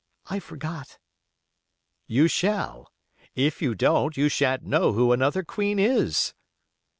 "I forgot." "You shall. If you don't, you sha'n't know who another queen is."